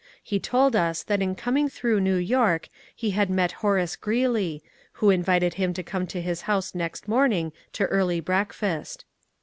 He told us that in coming through New York he had met Horace Greeley, who invited him to come to his house next morning to early breakfast.